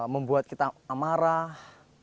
membuat kita amarah